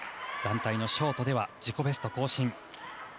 団体のショートでは自己ベスト更新。